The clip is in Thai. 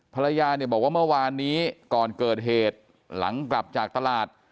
ภรรยาเนี่ยบอกว่าเมื่อวานนี้ก่อนเกิดเหตุหลังกลับจากตลาด